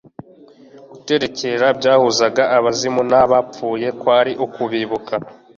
guterekera byahuzaga abazimu n' abapfuye kwari ukubibuka